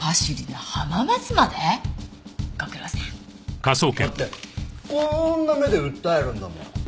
だってこーんな目で訴えるんだもん。